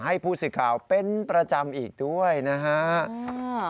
ให้ภูศิษย์ข่าวเป็นประจำอีกด้วยนะครับ